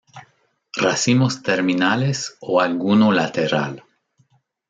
Racimos terminales o alguno lateral.